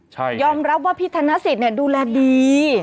ใช่ยอมรับว่าพี่ธนสิทธิ์ดูแลดี